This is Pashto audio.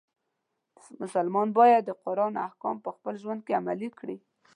مسلمان باید د قرآن احکام په خپل ژوند کې عملی کړي.